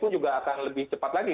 juga akan lebih cepat lagi